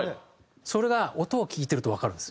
それが音を聴いてるとわかるんですよ。